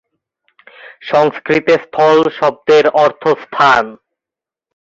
সংস্কৃতে "স্থল" শব্দের অর্থ "স্থান"।